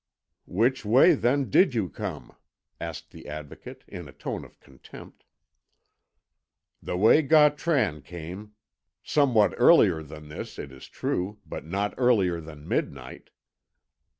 "Which way, then, did you come?" asked the Advocate, in a tone of contempt. "The way Gautran came somewhat earlier than this, it is true, but not earlier than midnight."